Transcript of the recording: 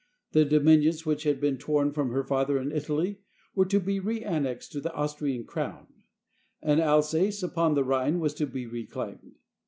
The dominions which had been torn from her father in Italy were to be reannexed to the Austrian Crown, and Alsace upon the Rhine was to be reclaimed.